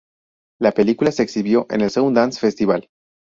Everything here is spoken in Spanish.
La película se exhibió en el Sundance Festival.